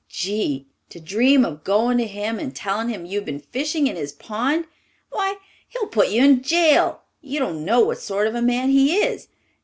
Gee! To dream of going to him and telling him you've been fishing in his pond! Why, he'll put you in jail. You don't know what sort of a man he is.